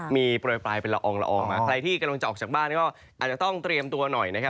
มีโปรยปลายเป็นละอองละอองมาใครที่กำลังจะออกจากบ้านก็อาจจะต้องเตรียมตัวหน่อยนะครับ